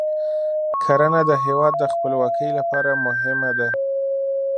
کرنه د هیواد د خپلواکۍ لپاره مهمه ده.